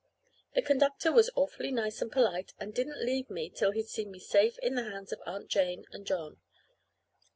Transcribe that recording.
The conductor was awfully nice and polite, and didn't leave me till he'd seen me safe in the hands of Aunt Jane and John.